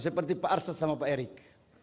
seperti pak arsad dan pak erik